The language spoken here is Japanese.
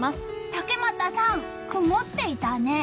竹俣さん、曇っていたね。